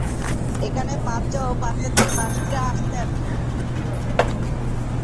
এখানে প্রাচ্য ও পাশ্চাত্যের বণিকরা আসতেন।